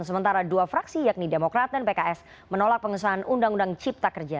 sementara dua fraksi yakni demokrat dan pks menolak pengesahan undang undang cipta kerja